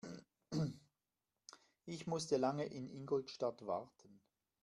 Ich musste lange in Ingolstadt warten